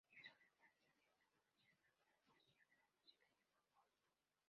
En su infancia se aficionó a la poesía, la música y el fútbol.